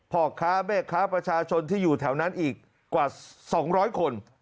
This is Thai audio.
พ่อค้าแม่ค้าประชาชนที่อยู่แถวนั้นอีกกว่า๒๐๐คน